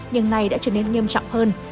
nhưng nay đã trở nên nghiêm trọng hơn